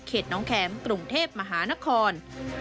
น้องแข็มกรุงเทพมหานคร